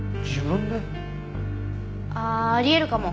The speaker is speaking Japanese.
あああり得るかも。